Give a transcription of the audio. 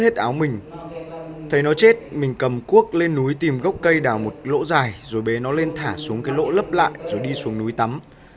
hết áo mình thấy nó chết mình cầm cuốc lên núi tìm gốc cây đào một lỗ dài rồi bế nó lên thả xuống cái lỗ lấp lại rồi đi xuống núi tắm